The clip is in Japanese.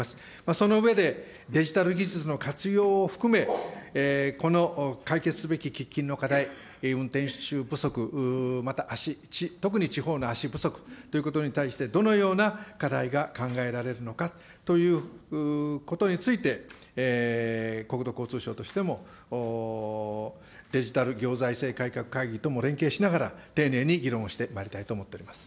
その上で、デジタル技術の活用を含め、この解決すべき喫緊の課題、運転手不足、また足、特に地方の足不足ということに対して、どのような課題が考えられるのかということについて、国土交通省としても、デジタル行財政改革会議とも連携しながら、丁寧に議論してまいりたいと思っております。